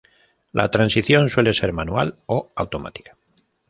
La transición suele ser manual o automática.